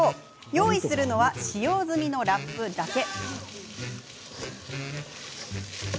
用意するのは使用済みのラップだけ。